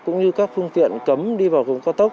cũng như các phương tiện cấm đi vào vùng cao tốc